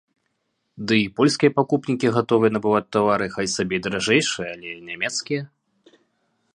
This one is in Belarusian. Ды і польскія пакупнікі гатовыя набываць тавары хай сабе і даражэйшыя, але нямецкія.